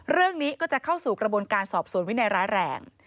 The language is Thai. เรื่องนี้ก็จะเข้าสู่กระบวนการสอบสวนวินัยร้ายแรง